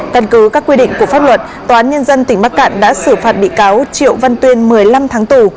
căn cứ các quy định của pháp luật tòa án nhân dân tỉnh bắc cạn đã xử phạt bị cáo triệu văn tuyên một mươi năm tháng tù